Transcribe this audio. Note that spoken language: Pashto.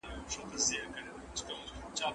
تاسو په کابل کي کوم فصل د اوسېدو لپاره غوره بولئ؟